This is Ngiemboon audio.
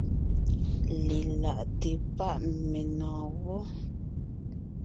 Lelaʼte páʼ menɔ̀ɔn gwɔ́.